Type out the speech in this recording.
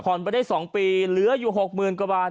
ไปได้๒ปีเหลืออยู่๖๐๐๐กว่าบาท